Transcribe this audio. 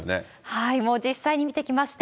はい、もう実際に見てきまして。